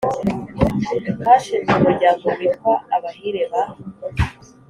Hashinzwe Umuryango witwa Abahire ba